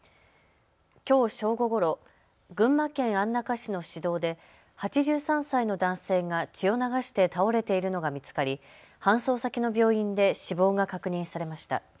きょう正午ごろ、群馬県安中市の市道で８３歳の男性が血を流して倒れているのが見つかり搬送先の病院で死亡が確認されました。